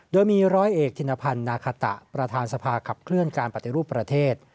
โดยมีร้อยเอกธินพันธ์นาคาตะประธานสภาขับเคลื่อนการปฏิรูปประเทศ